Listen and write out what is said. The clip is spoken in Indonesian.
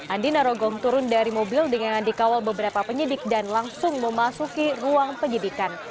andi narogong turun dari mobil dengan dikawal beberapa penyidik dan langsung memasuki ruang penyidikan